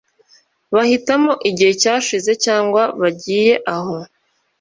bahitamo igihe cyashize cyangwa bagiye aho